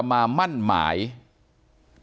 ขอบคุณมากครับขอบคุณมากครับ